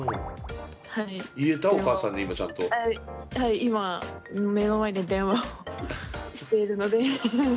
今目の前で電話をしているので本当に幸せで。